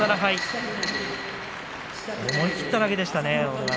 思い切った技でしたね。